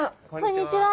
こんにちは。